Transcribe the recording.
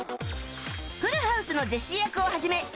『フルハウス』のジェシー役を始め